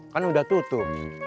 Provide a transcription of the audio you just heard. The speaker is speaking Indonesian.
kan udah tutup